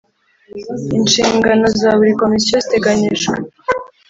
Inshingano za buri Komisiyo ziteganyijwe